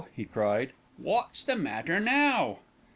he cried. "Wot's the matter now?"